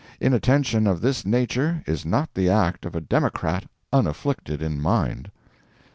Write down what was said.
Inattention of this nature is not the act of a Democrat unafflicted in mind.